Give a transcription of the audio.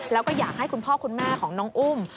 แล้วก็อยากให้คุณพ่อคุณแม่ของน้องอุ้ม